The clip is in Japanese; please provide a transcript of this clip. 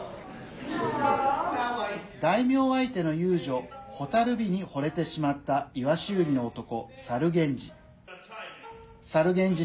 大名相手の遊女、蛍火にほれてしまった鰯売りの男、猿源氏。